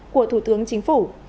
của thủ tướng chính phủ